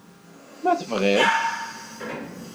Ma tebɣiḍ.